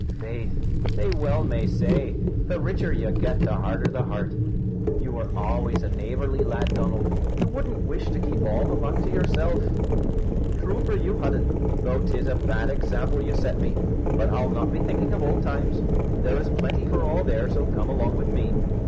"Faith, they may well say, the richer you get, the harder the heart. You always were a neighbourly lad, Donald. You wouldn't wish to keep the luck all to yourself?" "True for you, Hudden, though 'tis a bad example you set me. But I'll not be thinking of old times. There is plenty for all there, so come along with me."